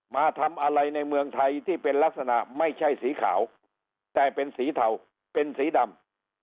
มาทำอะไรในเมืองไทยที่เป็นลักษณะไม่ใช่สีขาวแต่เป็นสีเทาเป็นสีดำ